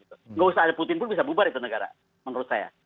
nggak usah ada putin pun bisa bubar itu negara menurut saya